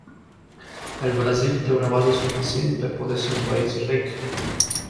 El Brasil té una base suficient per poder ser un país ric.